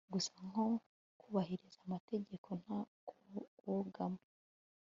gusa nko kubahiriza amategeko nta kubogama